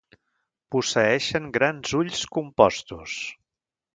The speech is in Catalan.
Posseeixen grans ulls compostos.